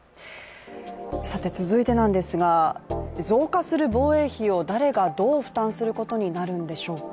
増加する防衛費を誰がどう負担することになるんでしょうか。